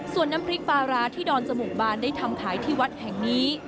ส่วนน้ำพริกปลาร้าที่ดอนจมูกบานได้ทำขายที่วัดแห่งนี้